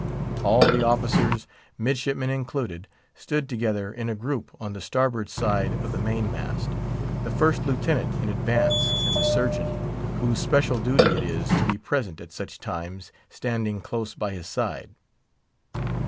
All the officers—midshipmen included—stood together in a group on the starboard side of the main mast; the First Lieutenant in advance, and the surgeon, whose special duty it is to be present at such times, standing close by his side.